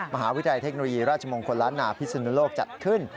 มหาวิทยาลัยเทคโนโลยีราชมงคลล้านนาพิศนุโลกจัดขึ้น